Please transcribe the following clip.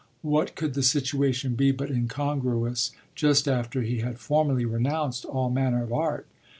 What could the situation be but incongruous just after he had formally renounced all manner of "art"?